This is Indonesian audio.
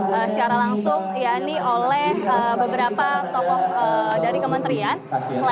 secara langsung ya ini oleh beberapa tokoh dari kementerian